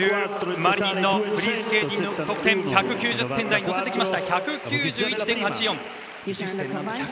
マリニンのフリースケーティング１９０点台に乗せてきて１９１．８４。